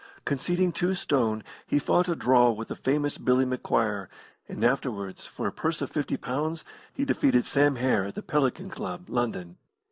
Conceding two stone, he fought a draw with the famous Billy McQuire, and afterwards, for a purse of fifty pounds, he defeated Sam Hare at the Pelican Club, London.